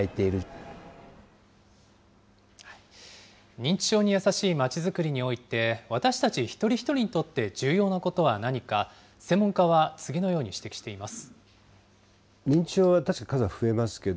認知症に優しいまちづくりにおいて、私たち一人一人にとって重要なことは何か、専門家は次のように指摘しています。